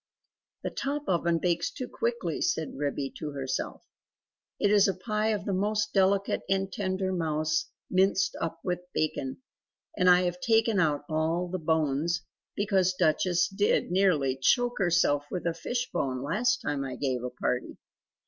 "The top oven bakes too quickly," said Ribby to herself. "It is a pie of the most delicate and tender mouse minced up with bacon. And I have taken out all the bones; because Duchess did nearly choke herself with a fish bone last time I gave a party.